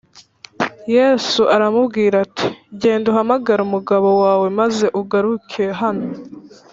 . Yesu aramubwira ati, “Genda uhamagare umugabo wawe maze ugaruke hano